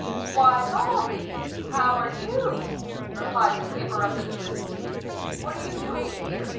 " Why, Lawry ! How are you ?" replied the skip per of the sloop. " What are you doing here